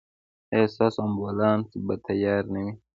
ایا ستاسو امبولانس به تیار نه وي؟